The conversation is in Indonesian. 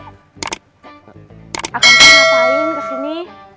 akan kamu ngapain kesini